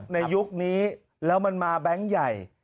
ในยุคนี้แล้วมันมาแบงค์ใหญ่